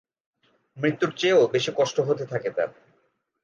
মৃত্যুর চেয়েও বেশি কষ্ট হতে থাকে তার।